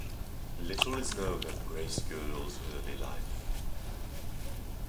Little is known of Bracegirdle's early life.